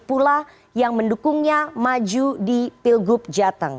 dan pula yang mendukungnya maju di pilgub jateng